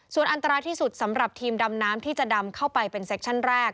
ส่วนอันตรายที่สุดสำหรับทีมดำน้ำที่จะดำเข้าไปเป็นเซคชั่นแรก